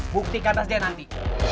buktikan rasanya nanti